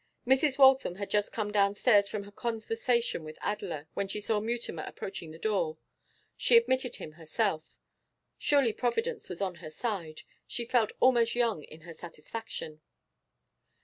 Mrs. Waltham had just come downstairs from her conversation with Adela, when she saw Mutimer approaching the door. She admitted him herself. Surely Providence was on her side; she felt almost young in her satisfaction.